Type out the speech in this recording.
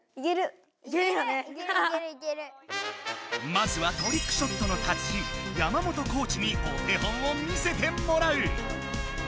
まずはトリックショットの達人山本コーチにお手本を見せてもらう。